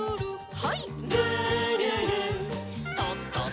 はい。